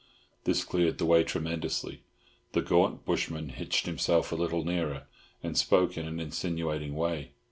This cleared the way tremendously. The gaunt bushman hitched himself a little nearer, and spoke in an insinuating way.